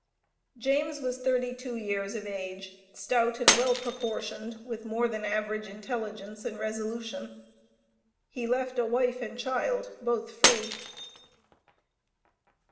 James was thirty two years of age, stout and well proportioned, with more than average intelligence and resolution. He left a wife and child, both free.